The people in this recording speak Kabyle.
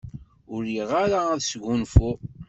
Ur riɣ ara ad sgunfuɣ.